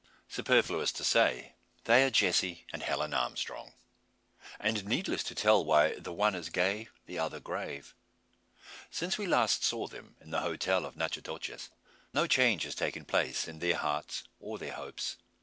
Superfluous to say, they are Jessie and Helen Armstrong. And needless to tell why the one is gay, the other grave. Since we last saw them in the hotel of Natchitoches, no change has taken place in their hearts or their hopes.